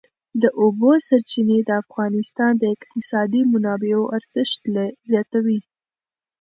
د اوبو سرچینې د افغانستان د اقتصادي منابعو ارزښت زیاتوي.